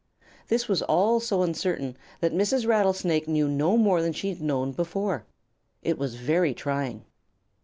This was all so uncertain that Mrs. Rattlesnake knew no more than she had known before. It was very trying.